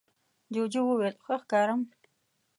جوجو وویل ښه ښکارم؟